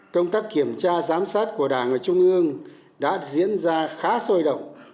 công tác kiểm tra giám sát của đảng và trung ương đã diễn ra khá sôi động